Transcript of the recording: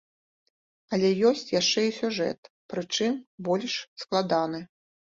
Але ёсць яшчэ і сюжэт, прычым больш складаны.